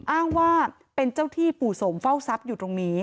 อ้างว่าเป็นเจ้าที่ปู่สมเฝ้าทรัพย์อยู่ตรงนี้